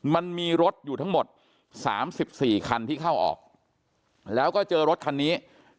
มันมีรถอยู่ทั้งหมด๓๔คันที่เข้าออกแล้วก็เจอรถคันนี้